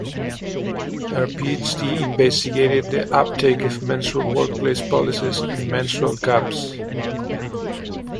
Her PhD investigated the uptake of menstrual workplace policies and menstrual cups.